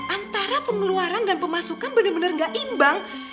antara pengeluaran dan pemasukan bener bener gak imbang